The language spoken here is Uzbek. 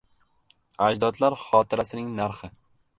Ajdodlar xotirasining narxi